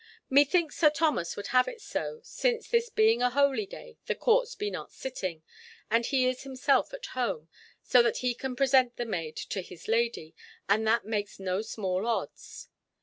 "Methinks Sir Thomas would have it so, since this being a holy day, the courts be not sitting, and he is himself at home, so that he can present the maid to his lady. And that makes no small odds."